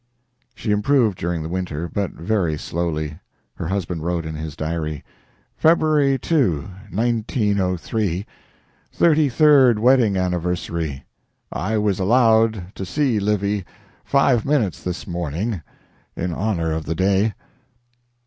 She improved during the winter, but very slowly. Her husband wrote in his diary: "Feb. 2, 1903 Thirty third wedding anniversary. I was allowed to see Livy five minutes this morning, in honor of the day."